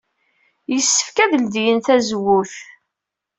Yessefk ad ledyen tazewwut?